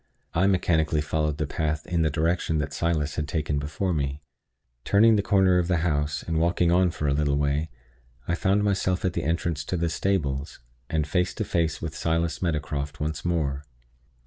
I mechanically followed the path in the direction which Silas had taken before me. Turning the corner of the house, and walking on for a little way, I found myself at the entrance to the stables, and face to face with Silas Meadowcroft once more.